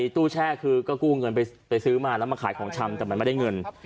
ตู้แช่คือก็กู้เงินไปซื้อมาแล้วมาขายของชำแต่มันไม่ได้เงิน